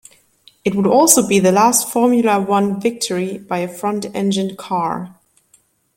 It would also be the last Formula One victory by a front-engined car.